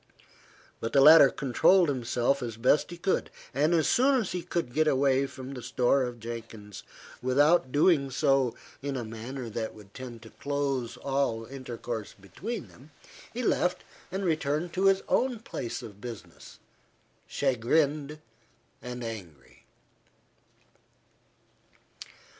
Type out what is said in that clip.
But the latter controlled himself as best he could; and as soon as he could get away from the store of Jenkins, without doing so in a manner that would tend to close all intercourse between them, he left and returned to his own place of business, chagrined and angry.